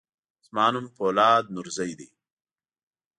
زما نوم فولاد نورزی دی.